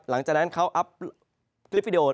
หลังจากนั้นเขาอัพคลิปวิดีโอ